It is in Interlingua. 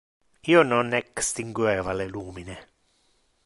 Io non extingueva le lumine.